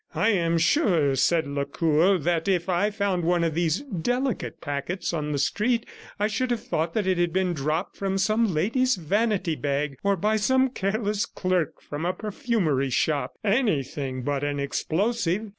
"I am sure," said Lacour, "that if I had found one of these delicate packets on the street, I should have thought that it had been dropped from some lady's vanity bag, or by some careless clerk from a perfumery shop ... anything but an explosive!